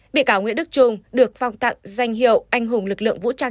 bị cáo nguyễn đức trung được phong tặng danh hiệu anh hùng lực lượng vũ trang